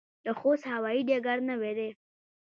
د خوست هوايي ډګر نوی دی